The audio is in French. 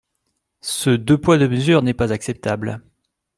Ce « deux poids, deux mesures » n’est pas acceptable.